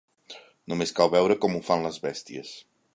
Només cal veure com ho fan les bèsties.